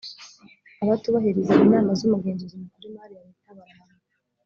abatubahiriza inama z’umugenzuzi mukuru w’ imari ya leta, barahanwa.